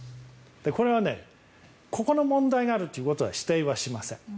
これはここの問題があるということは否定はしません。